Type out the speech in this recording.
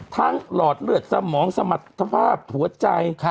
หลอดเลือดสมองสมรรถภาพหัวใจ